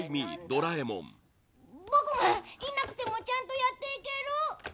ドラえもん：僕が、いなくてもちゃんとやっていける？